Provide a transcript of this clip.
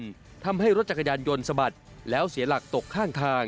แต่พอมาถึงศรีแยกวัดห้วยศรีทนซึ่งพื้นผิวถนนทั้งสองเลนต่างระดับกัน